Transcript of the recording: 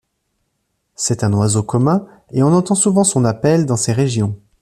C'est un oiseau commun et on entend souvent son appel dans ces régions.